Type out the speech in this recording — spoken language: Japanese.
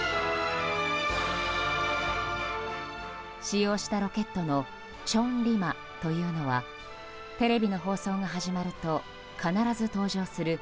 使用したロケットの「チョンリマ」というのはテレビの放送が始まると必ず登場する